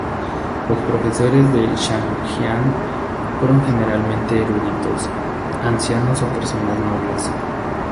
Los profesores de Shang Xiang fueron generalmente eruditos, ancianos o personas nobles.